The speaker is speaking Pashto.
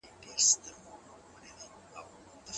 شرکتونه به نوي سرمایوي اجناس واردوي.